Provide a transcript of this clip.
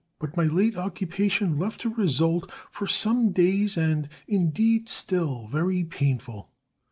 But my late occupation left a result, for some days and indeed still, very painful.